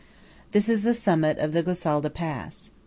This is the summit of the Gosalda pass.